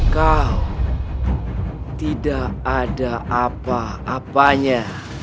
kau tidak ada apa apanya